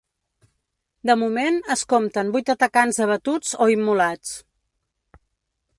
De moment, es compten vuit atacants abatuts o immolats.